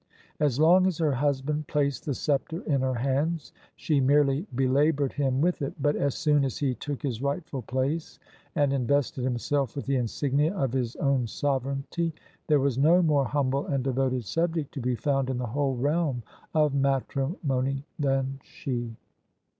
As long as her husband placed the sceptre in her hands, she merely belaboured him with it : but as soon as he took his rightful place and invested himself with the insignia of his own sovereignty, there was no more humble and devoted subject to be found in the whole realm of matrimony than she.